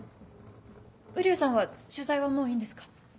右竜さんは取材はもういいんですか？